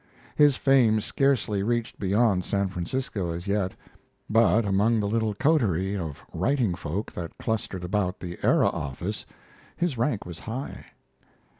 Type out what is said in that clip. His fame scarcely reached beyond San Francisco as yet; but among the little coterie of writing folk that clustered about the Era office his rank was high.